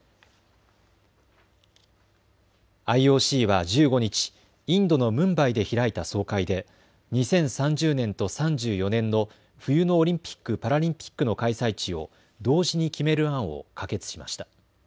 ＩＯＣは１５日、インドのムンバイで開いた総会で２０３０年と３４年の冬のオリンピック・パラリンピックの開催地を同時に決める案を可決しました。